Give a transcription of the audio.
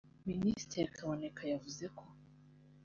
Minisitiri Kaboneka yavuze ko